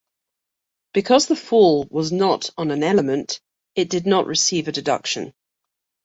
Because the fall was not on an element, it did not receive a deduction.